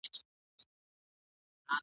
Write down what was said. آیا زغم تر غوسې ګټور دی؟